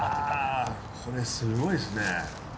これすごいっすね。